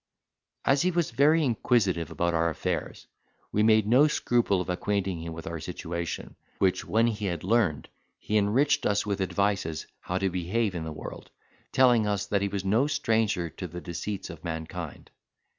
'" As he was very inquisitive about our affairs, we made no scruple of acquainting him with our situation, which when he had learned, he enriched us with advices how to behave in the world, telling us that he was no stranger to the deceits of mankind.